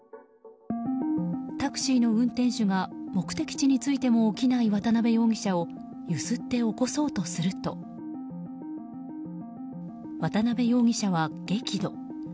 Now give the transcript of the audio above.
タクシーの運転手が目的地に着いても起きない渡辺容疑者をゆすって起こそうとすると渡辺容疑者は、激怒。